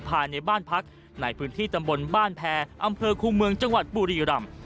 ภายในบ้านพักในพื้นที่ตำบลบ้านแพรอำเภอคูเมืองจังหวัดบุรีรำ